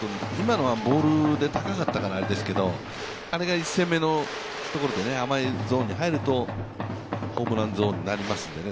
今のはボールで高かったからあれですけど、あれが１戦目のところで甘いゾーンに入るとホームランゾーンになりますんでね。